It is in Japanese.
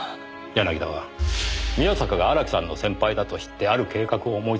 柳田は宮坂が荒木さんの先輩だと知ってある計画を思いついたんです。